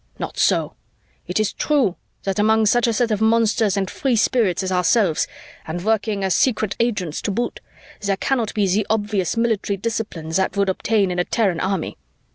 Not so. It is true that among such a set of monsters and free spirits as ourselves, and working as secret agents to boot, there cannot be the obvious military discipline that would obtain in a Terran army.